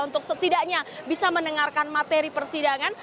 untuk setidaknya bisa mendengarkan materi persidangan